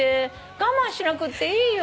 我慢しなくっていいよ。